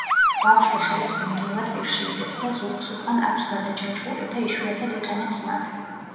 ბავშვი ხელებს მუდმივად პირში იდებს ან ზურგსუკან აქვს გადაჯაჭვული და იშვიათად იყენებს მათ.